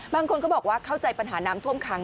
บางคนก็บอกว่าเข้าใจปัญหาน้ำท่วมขัง